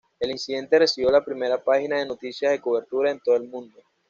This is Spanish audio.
El incidente recibió la primera página de noticias de cobertura en todo el mundo.